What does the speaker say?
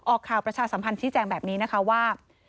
ออกข่าวประชาสัมพันธ์ชี้แจงแบบนี้นะคะว่า